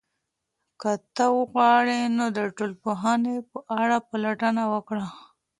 که ته وغواړې، نو د ټولنپوهنې په اړه پلټنه وکړه.